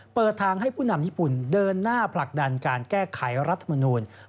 เปิดทางให้ผู้นำญี่ปุ่นเดินหน้าผลักดันการแก้ไขรัฐมนูล